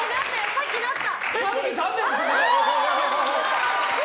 さっきなった。